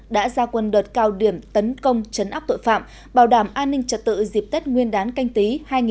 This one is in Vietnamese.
đã ra quân đợt cao điểm tấn công chấn áp tội phạm bảo đảm an ninh trật tự dịp tết nguyên đán canh tí hai nghìn hai mươi